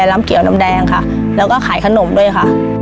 น้ำเกี่ยวน้ำแดงค่ะแล้วก็ขายขนมด้วยค่ะ